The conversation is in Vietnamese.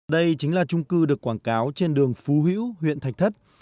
đây chính là trung cư được quảng cáo trên đường phú hữu huyện thạch thất